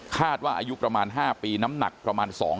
อายุประมาณ๕ปีน้ำหนักประมาณ๒๐๐